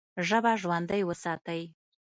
ژبه ژوندۍ وساتئ!